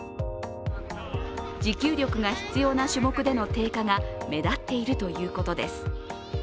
持久力が必要な種目での低下が目立っているということです。